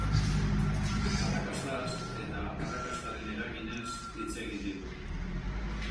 Arrakastaz, eta arrakastaren eraginez, hitz egin digu.